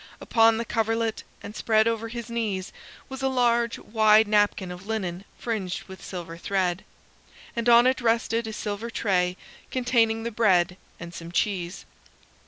Upon the coverlet, and spread over his knees, was a large wide napkin of linen fringed with silver thread, and on it rested a silver tray containing the bread and some cheese.